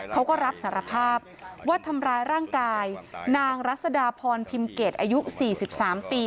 เขาก็รับสารภาพว่าทำร้ายร่างกายนางรัศดาพรพิมเกตอายุ๔๓ปี